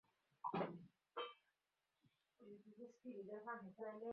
প্রণবের বই থেকে আমরা জানতে পারি, রাজনীতিতে আসার বিরোধী ছিলেন রাজীবও।